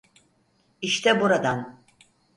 İşte buradan.